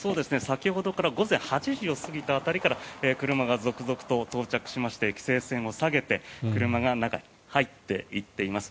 先ほどから午前８時を過ぎた辺りから車が続々と到着しまして規制線を下げて車が中に入っていっています。